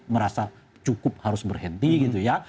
merasa cukup harus berhenti gitu ya